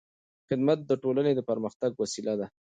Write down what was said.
خدمت د ټولنې د پرمختګ وسیله ده.